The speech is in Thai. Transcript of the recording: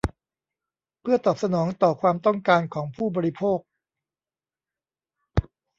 เพื่อตอบสนองต่อความต้องการของผู้บริโภค